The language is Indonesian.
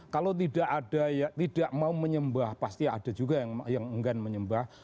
kalau tidak mau menyembah pasti ada juga yang enggan menyembah